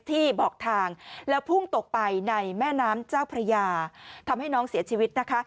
ที่บอกทางแล้วพุ่งตกไปในแม่น้ำเจ้าพระยาทำให้น้องเสียชีวิตนะคะ